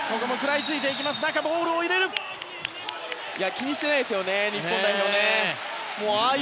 気にしてないですね日本代表は。